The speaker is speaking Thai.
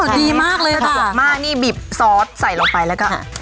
อ๋อดีมากเลยอะต่อขอบคุณมากนี่บีบซอสใส่ลงไปแล้วก็